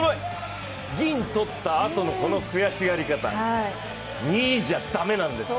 銀を取ったあとのこの悔しがり方、２位じゃ駄目なんです。